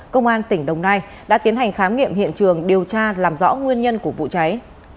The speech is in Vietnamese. công an tỉnh đồng nai đã tiến hành khám nghiệm hiện trường điều tra làm rõ nguyên nhân của vụ cháy